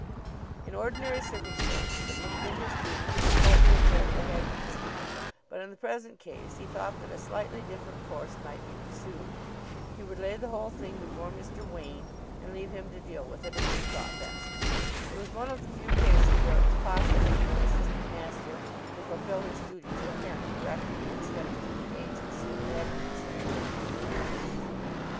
In ordinary circumstances it would have been his duty to report the affair to the headmaster but in the present case he thought that a slightly different course might be pursued. He would lay the whole thing before Mr. Wain, and leave him to deal with it as he thought best. It was one of the few cases where it was possible for an assistant master to fulfil his duty to a parent directly, instead of through the agency of the headmaster.